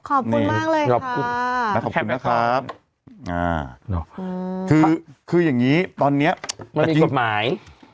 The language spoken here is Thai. ขอบคุณมากเลยค่ะแล้วขอบคุณนะครับคืออย่างนี้ตอนนี้มันมีกฎหมาย